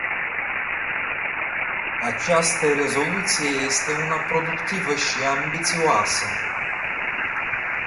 Această rezoluție este una proactivă și ambițioasă.